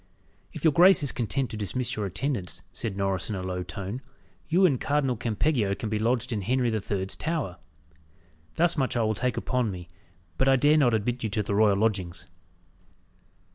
"If your grace is content to dismiss your attendants," said Norris in a low tone, "you and Cardinal Campeggio can be lodged in Henry the Third's Tower. Thus much I will take upon me; but I dare not admit you to the royal lodgings."